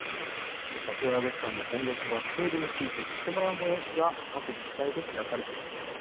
里親月間の今月は制度について知ってもらう催しが各自治体で開かれています。